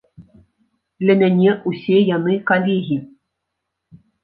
Для мяне ўсе яны калегі.